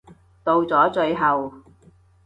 到咗最後